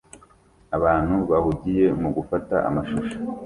Abantu bahugiye mu gufata amashusho